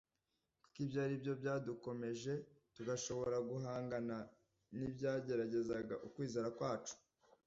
ko ibyo ari byo byadukomeje tugashobora guhangana n ibyageragezaga ukwizera kwacu